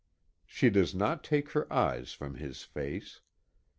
She does not take her eyes from his face.